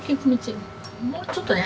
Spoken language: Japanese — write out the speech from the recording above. もうちょっとね。